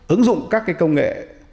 ứng dụng các cái công nghệ